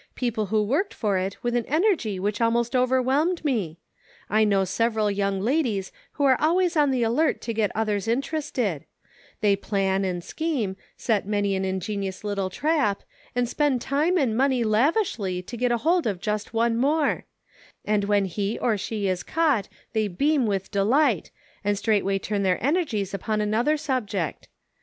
259 people who worked for it with an energy which al most overwhelmed me. I know several young ladies who are always on the alert to get others interested ; they plan and scheme, set many an ingenious little trap, and spend time and money lavishly to get hold of just one more; and when she or he is caught, they beam with delight, and straightway turn their energies upon another sub ject.